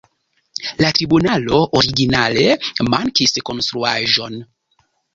La tribunalo originale mankis konstruaĵon.